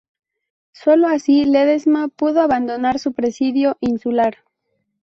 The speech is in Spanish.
Solo así Ledesma pudo abandonar su presidio insular.